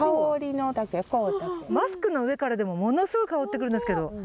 マスクの上からでもものすごい香ってくるんですけど。